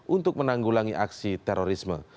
untuk menanggulangi aksi terorisme